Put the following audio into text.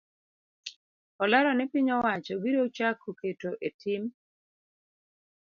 Olero ni piny owacho biro chako keto etim